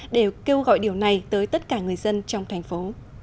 để kêu gọi điều này tới tất cả người dân trong thành phố